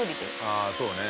ああそうね。